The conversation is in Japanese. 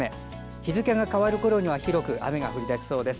日付が変わるころには広く雨が降り出しそうです。